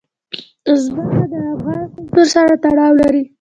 ځمکه د افغان کلتور سره تړاو لري.